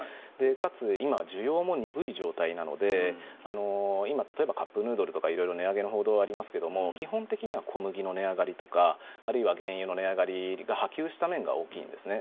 かつ今、需要も鈍い状態なので今、例えばカップ麺とか値上げの報道がありますが基本的には小麦の値上がりとかあるいは原油の値上がりが波及した面が大きいんですね。